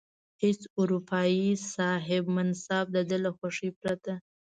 هیڅ اروپايي صاحب منصب د ده له خوښې پرته.